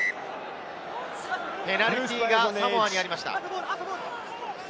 ペナルティーがサモアにありました。